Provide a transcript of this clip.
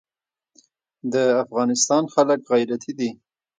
د افغانستان خلک غیرتي دي